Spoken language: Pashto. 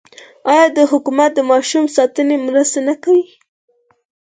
آیا حکومت د ماشوم ساتنې مرسته نه کوي؟